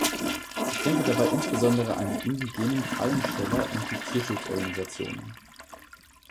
Ich denke dabei insbesondere an die indigenen Fallensteller und die Tierschutzorganisationen.